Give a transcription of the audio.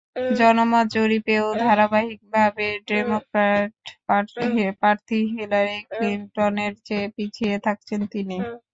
জনমত জরিপেও ধারাবাহিকভাবে ডেমোক্র্যাট প্রার্থী হিলারি ক্লিনটনের চেয়ে পিছিয়ে থাকছেন তিনি।